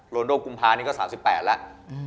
โรนโดกุมภานี่ก็๓๘แล้ว